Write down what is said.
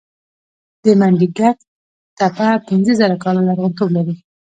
د منډیګک تپه پنځه زره کاله لرغونتوب لري